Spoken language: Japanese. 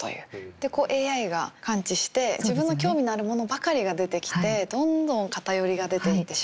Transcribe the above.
でこうＡＩが感知して自分の興味のあるものばかりが出てきてどんどん偏りが出ていってしまうという。